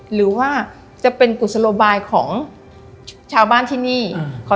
หรือว่าจะเป็นกุศโลบายของชาวบ้านที่นี่